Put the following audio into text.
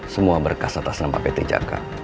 semua berkas atas nama pt jaka